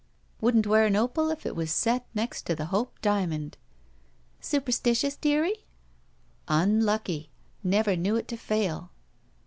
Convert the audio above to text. "Wouldn't wear an opal if it was set next to the Hope diamond." "Superstitious, dearie?" "Unlucky. Never knew it to fail."